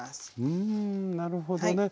うんなるほどね。